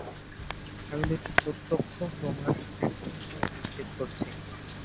আমি দুটি প্রত্যক্ষ প্রমাণ এখনই এনে উপস্থিত করছি।